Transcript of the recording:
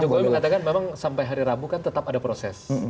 jokowi mengatakan memang sampai hari rabu kan tetap ada proses